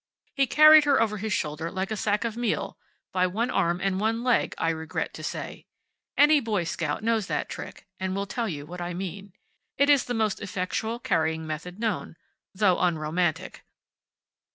He carried her over his shoulder, like a sack of meal, by one arm and one leg, I regret to say. Any boy scout knows that trick, and will tell you what I mean. It is the most effectual carrying method known, though unromantic.